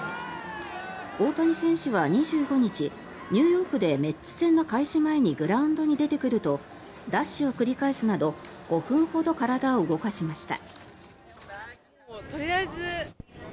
大谷選手は２５日ニューヨークでメッツ戦の開始前にグラウンドに出てくるとダッシュを繰り返すなど５分ほど体を動かしました。